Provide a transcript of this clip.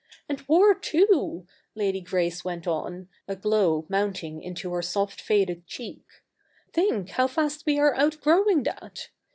And war too,' Lady Grace went on, a glow mounting into her soft faded cheek, ' think how fast we are outgrowing that